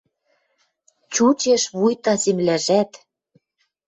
Чучеш, вуйта земляжӓт